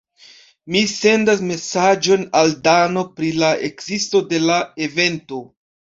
Mi sendas mesaĝon al Dano pri la ekzisto de la evento.